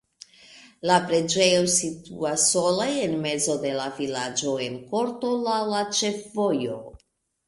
La preĝejo situas sola en mezo de la vilaĝo en korto laŭ la ĉefvojo.